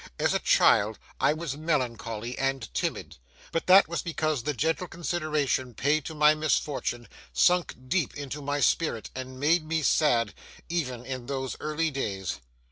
As a child I was melancholy and timid, but that was because the gentle consideration paid to my misfortune sunk deep into my spirit and made me sad, even in those early days.